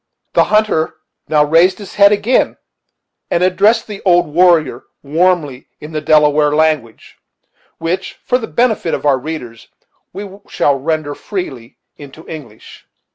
The hunter now raised his head again, and addressed the old warrior warmly in the Delaware language, which, for the benefit of our readers, we shall render freely into English.